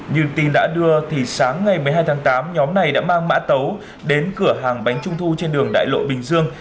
như tin đã đưa thì sáng ngày một mươi hai tháng tám nhóm này đã mang mã tấu đến cửa hàng bánh trung thu trên đường đại lộ bình dương